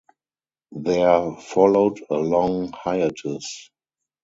There followed a long hiatus.